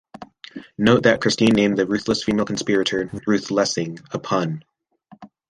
Note that Christie named the ruthless female conspirator "Ruth Lessing", a pun.